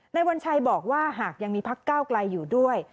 วัญชัยบอกว่าหากยังมีพักก้าวไกลอยู่ด้วย